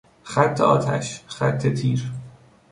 خط آتش، خط تیر